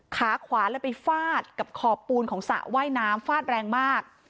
ขาขวาเลยไปฟาดกับขอบปูนของสระว่ายน้ำฟาดแรงมาก